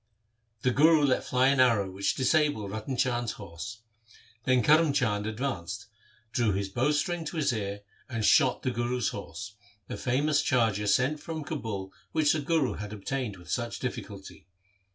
The Guru let fly an arrow which disabled Ratan Chand's horse. Then Karm Chand advanced, drew his bow string to his ear, and shot the Guru's horse, the famous charger sent from Kabul which the Guru had obtained with such difficulty.